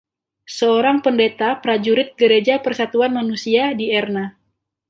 Seorang Pendeta Prajurit Gereja Persatuan Manusia di Erna.